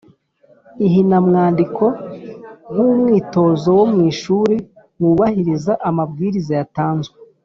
ihinamwandiko nk’umwitozo wo mu ishuri wubahiriza amabwiriza yatanzwe